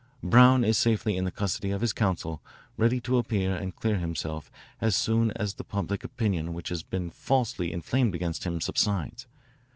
Brown is safely in the custody of his counsel, ready to appear and clear himself as soon as the public opinion which has been falsely inflamed against him subsides.